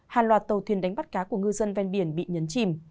hàng loạt tàu thuyền đánh bắt cá của ngư dân ven biển bị nhấn chìm